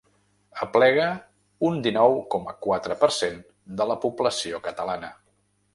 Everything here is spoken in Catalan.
Aplega un dinou coma quatre per cent de la població catalana.